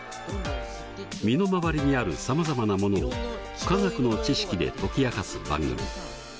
身の回りにあるさまざまなものを化学の知識で解き明かす番組。